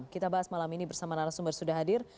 kita bahas malam ini bersama narasumber sudah hadir